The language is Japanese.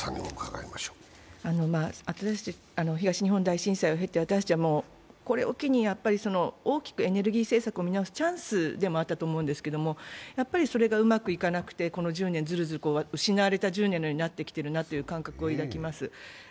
東日本大震災を経て私たちはこれを機に大きくエネルギー政策を見直すチャンスでもあったと思うんですけれども、やはりそれがうまくいかなくて、この１０年、ずるずると失われた１０年だったなと感じています。